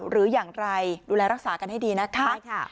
หรืออย่างไรดูแลรักษากันให้ดีนะคะ